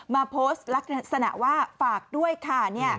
มาโพสต์ลักษณะว่าฝากด้วยค่ะ